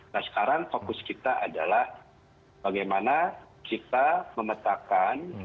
nah sekarang fokus kita adalah bagaimana kita memetakan